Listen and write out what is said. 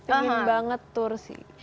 pengen banget tour sih